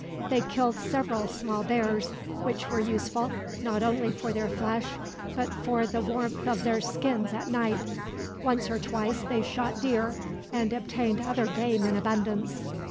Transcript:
They killed several small bears, which were useful, not only for their flesh, but for the warmth of their skins at night. Once or twice they shot deer, and obtained other game in abundance.